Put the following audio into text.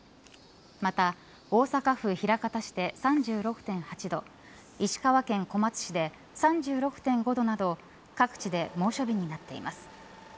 また大阪府枚方市で３６．８度石川県小松市で３６．５度など各地で猛暑日になっています。